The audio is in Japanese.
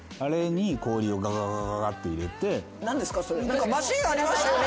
何かマシンありましたよね？